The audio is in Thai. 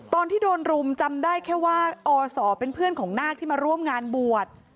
ตอนที่โดนรุมจำได้แค่ว่าอศเป็นเพื่อนของนาคที่มาร่วมงานบวช